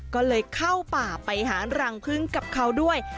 ก็เลยเข้าป่าไปหารังพึ่งกับเขาด้วย